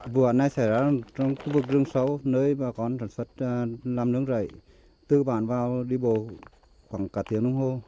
vụ án này xảy ra trong khu vực rừng sâu nơi bà con sản xuất làm lưỡng rầy tư bản vào đi bộ khoảng cả tiếng đồng hồ